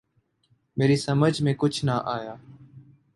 میری سمجھ میں کچھ نہ آیا۔